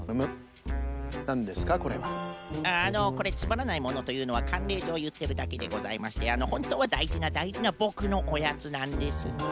ああのこれつまらないものというのはかんれいじょういってるだけでございましてほんとうはだいじなだいじなボクのおやつなんです。